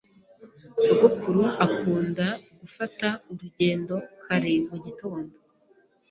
Sogokuru akunda gufata urugendo kare mu gitondo.